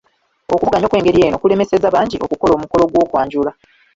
Okuvuganya okw’engeri eno kulemesezza bangi okukola omukolo gw’okwanjula.